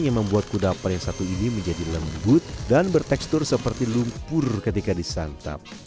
yang membuat kudapan yang satu ini menjadi lembut dan bertekstur seperti lumpur ketika disantap